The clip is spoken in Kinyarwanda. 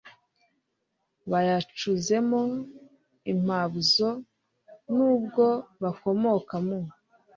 bayacuzemo impabuzo n ubwo bakomoka mu